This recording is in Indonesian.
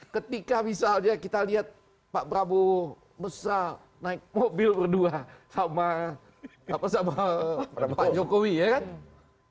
ketika misalnya kita lihat pak prabowo mesah naik mobil berdua sama pak jokowi ya kan